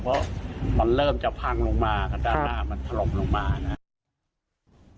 เพราะมันเริ่มจะพังลงมาครับด้านหน้ามันถล่มลงมานะครับ